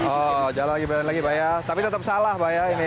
oh jalan gimana lagi pak ya tapi tetap salah pak ya ini